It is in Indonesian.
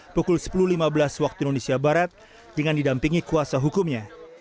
pukul sepuluh lima belas waktu indonesia barat dengan didampingi kuasa hukumnya